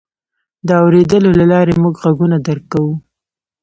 د اورېدلو له لارې موږ غږونه درک کوو.